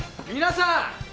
皆さん！